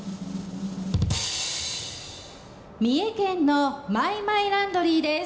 三重県のマイマイランドリーです。